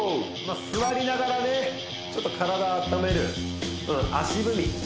座りながらねちょっと体あっためる足踏み